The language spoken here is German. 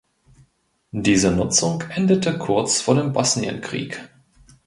Diese Nutzung endete kurz vor dem Bosnienkrieg.